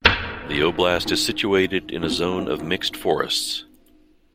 The oblast is situated in a zone of mixed forests.